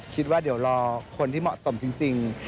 คิดว่าเดี๋ยวรอคนที่เหมาะสมจริง